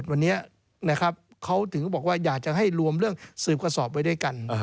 วันนี้นะครับเขาถึงบอกว่าอยากจะให้รวมเรื่องสืบกระสอบไว้ด้วยกัน